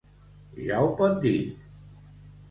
Ja ho pot dir!